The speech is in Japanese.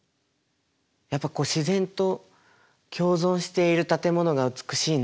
やっぱこう自然と共存している建物が美しいなと思います。